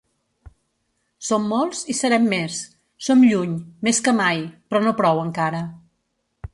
Som molts i serem més; som lluny, més que mai, però no prou encara.